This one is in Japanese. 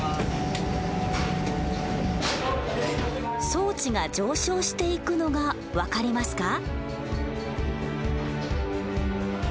装置が上昇していくのが分かりますか？